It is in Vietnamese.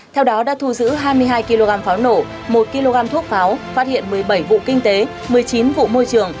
theo đó đã thu giữ hai mươi hai kg pháo nổ một kg thuốc pháo phát hiện một mươi bảy vụ kinh tế một mươi chín vụ môi trường